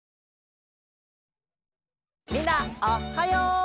みんなおっはよう！